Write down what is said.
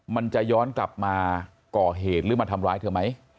มันจะย้อนกลับมาก่อเหตุหรือมาทำร้ายเธอไหม